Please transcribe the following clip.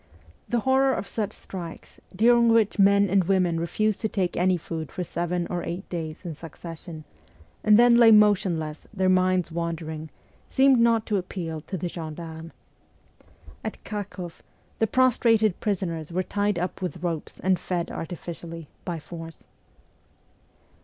The horror of such strikes, during which men and women refused to take any food for seven or eight days in succession, and then lay motionless, their minds wandering, seemed not to appeal to the gen darmes. At Kharkoff, the prostrated prisoners were tied up with ropes and fed artificially, by force.